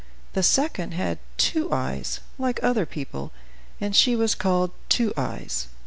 The second had two eyes, like other people, and she was called "Two Eyes."